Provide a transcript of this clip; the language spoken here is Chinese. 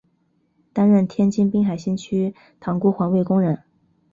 担任天津滨海新区塘沽环卫工人。